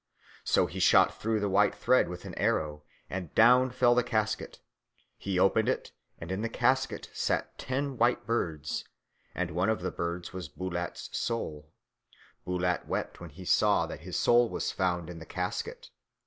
So he shot through the white thread with an arrow, and down fell the casket. He opened it, and in the casket sat ten white birds, and one of the birds was Bulat's soul. Bulat wept when he saw that his soul was found in the casket.